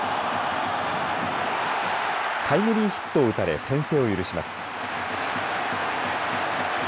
タイムリーヒットを打たれ先制を許します。